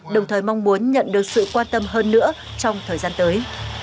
đồng thời mong muốn nhận được sự quan tâm hơn nữa trong thời gian tới